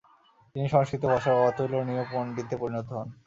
তিনি সংস্কৃত ভাষার অতুলনীয় পণ্ডিতে পরিণত হন।